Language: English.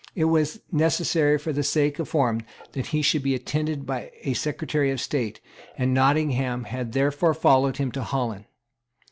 It was necessary for the sake of form that he should be attended by a Secretary of State; and Nottingham had therefore followed him to Holland.